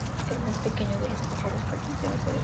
Es el más pequeño de los pájaros carpinteros europeos.